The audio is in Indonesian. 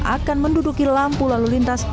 akan menduduki lampu lalu lintas